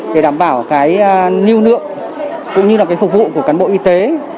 để đảm bảo lưu lượng cũng như là cái phục vụ của cán bộ y tế